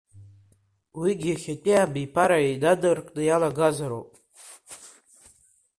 Уигьы иахьатәи абиԥара инадыркны иалагозароуп.